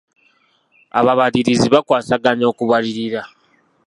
Ababalirizi bakwasaganya okubalirira.